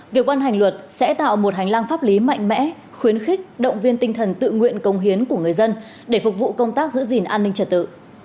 việc ban hành luật sẽ tạo một hành lang pháp lý mạnh mẽ khuyến khích động viên tinh thần tự nguyện công hiến của người dân để phục vụ công tác giữ gìn an ninh trật tự